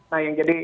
nah yang jadi